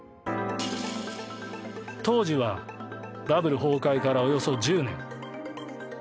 当時はバブル崩壊からおよそ１０年。